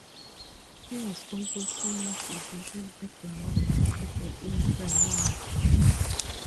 He was also senior physician at the Naval Hospital in Plymouth.